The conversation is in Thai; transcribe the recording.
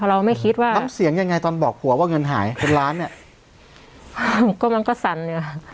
เราไม่คิดว่าน้ำเสียงยังไงตอนบอกผัวว่าเงินหายเป็นล้านเนี่ยก็มันก็สั่นอยู่